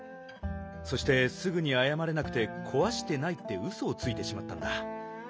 そしてすぐにあやまれなくて「こわしてない」ってウソをついてしまったんだ。